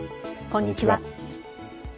こんにちは。